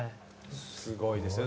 すごいですね。